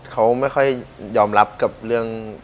เขาไม่ค่อยยอมรับกับเรื่อง